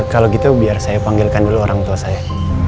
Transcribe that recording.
kalau gitu biar saya panggilkan dulu orang tua saya